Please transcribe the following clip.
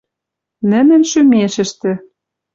Нӹнӹн шӱмешӹштӹ